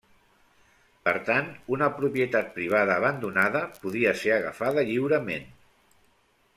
Per tant, una propietat privada abandonada podia ser agafada lliurement.